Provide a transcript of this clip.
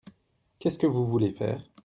Qu'est-ce que vous voulez faire ?